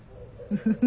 フフフ。